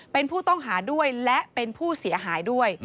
เป็นผู้ต้องหาด้วยและเป็นผู้เสียหายด้วย